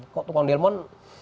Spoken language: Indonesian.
kok tukang delman